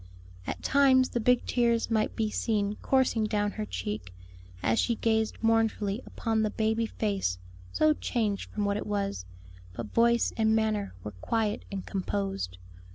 At times the big tears might be seen coursing down her cheek, as she gazed mournfully upon the baby face so changed from what it was; but voice and manner were quiet and composed.